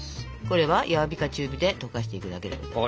これは弱火か中火で溶かしていくだけです。